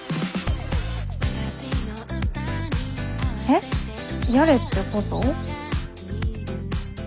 えっやれってこと？